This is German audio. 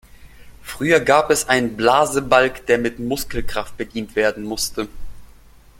Früher gab es einen Blasebalg, der mit Muskelkraft bedient werden musste.